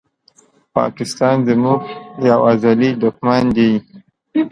پاکستان زموږ یو ازلې دښمن دي